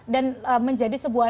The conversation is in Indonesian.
dan menjadi sebuah